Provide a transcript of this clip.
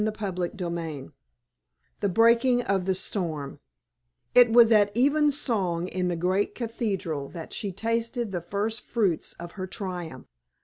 CHAPTER XXIX THE BREAKING OF THE STORM It was at evensong in the great cathedral that she tasted the first fruits of her triumph.